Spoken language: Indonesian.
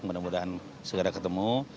mudah mudahan segera ketemu